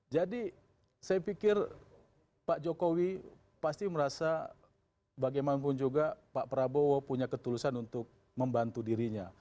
saya pikir pak jokowi pasti merasa bagaimanapun juga pak prabowo punya ketulusan untuk membantu dirinya